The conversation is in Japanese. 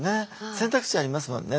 選択肢ありますもんね